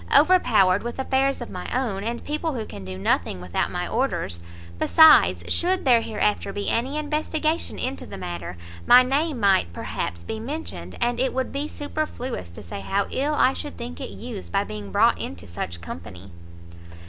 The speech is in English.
overpowered with affairs of my own, and people who can do nothing without my orders. Besides, should there hereafter be any investigation into the matter, my name might, perhaps, be mentioned, and it would be superfluous to say how ill I should think it used by being brought into such company."